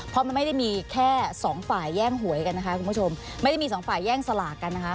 เพราะมันไม่ได้มีแค่สองฝ่ายแย่งหวยกันนะคะคุณผู้ชมไม่ได้มีสองฝ่ายแย่งสลากกันนะคะ